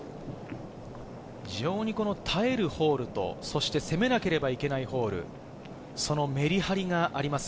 非常に耐えるホール、そして攻めなければいけないホール、そのメリハリがあります。